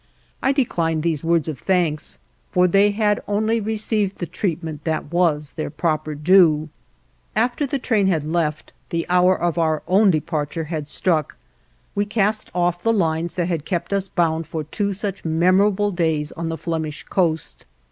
I declined these words of thanks, for they had only received the treatment that was their proper due. After the train had left, the hour of our own departure had struck; we cast off the lines that had kept us bound for two such memorable days on the Flemish coast.